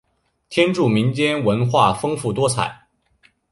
天柱民族民间文化丰富多彩。